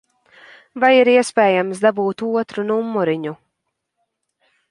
Vai ir iespējams dabūt otru numuriņu?